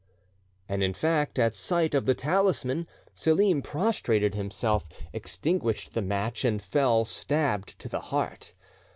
And in fact, at sight of the talisman, Selim prostrated himself, extinguished the match, and fell, stabbed to the heart.